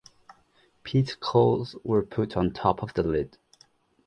Peat coals were put on top of the lid.